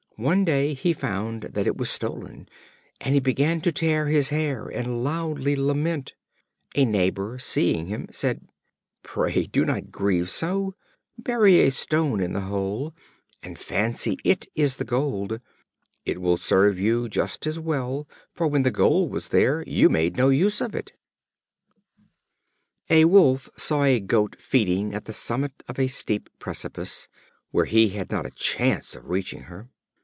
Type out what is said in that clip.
One day he found that it was stolen, and he began to tear his hair and loudly lament. A neighbor, seeing him, said: "Pray do not grieve so; bury a stone in the hole, and fancy it is the gold. It will serve you just as well, for when the gold was there you made no use of it." The Wolf and the Goat. A Wolf saw a Goat feeding at the summit of a steep precipice, where he had not a chance of reaching her.